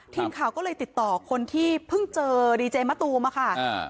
ทีมข่าวก็เลยติดต่อคนที่เพิ่งเจอดีเจมะตูมอะค่ะ